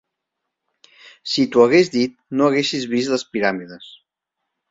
Si t'ho hagués dit, no haguessis vist les Piràmides.